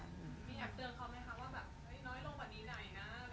มีอยากเตือนเขาไหมคะว่าแบบน้อยลงกว่านี้ไหนนะ